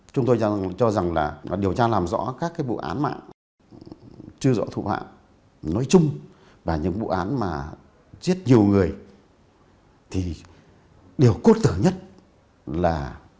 chúng tôi cho rằng là điều tra làm rõ các cái vụ án mạng chưa rõ thủ phạm nói chung và những vụ án mà giết nhiều người thì điều cốt tử nhất là